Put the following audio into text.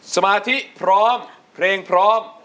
สมาธิพร้อมเพลงพร้อม